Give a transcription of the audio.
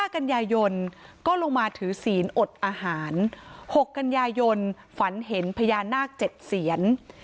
กันยายนก็ลงมาถือศีลอดอาหาร๖กันยายนฝันเห็นพญานาค๗เสียน